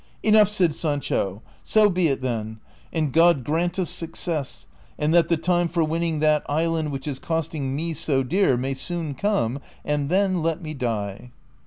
"^" Enough," said Sancho ;'• so be it then, and God grant us success, and that the time for winning that island which is costing me so dear may soon come, and then let me die."